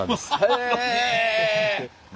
へえ！